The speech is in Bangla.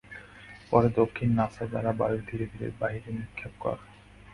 পরে দক্ষিণ নাসা দ্বারা বায়ু ধীরে ধীরে বাহিরে নিক্ষেপ কর।